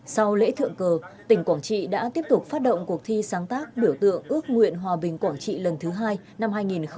sau lễ thượng cờ tỉnh quảng trị đã tiếp tục phát động cuộc thi sáng tác biểu tượng ước nguyện hòa bình quảng trị lần thứ hai năm hai nghìn hai mươi